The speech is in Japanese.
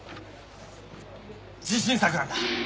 自信作なんだ。